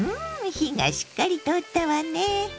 火がしっかり通ったわね。